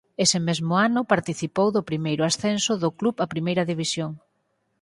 Ese mesmo ano participou do primeiro ascenso do club á Primeira División.